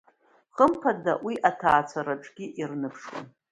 Хымԥада, уи аҭаацәараҿгьы ирныԥшуан.